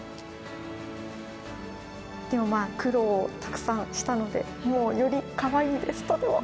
でもまあ苦労たくさんしたのでもうよりかわいいですとても。